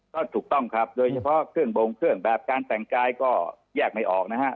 ก็ถูกต้องครับโดยเฉพาะเครื่องบงเครื่องแบบการแต่งกายก็แยกไม่ออกนะฮะ